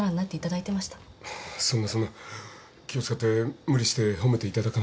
そんなそんな気を使って無理して褒めていただかなくても。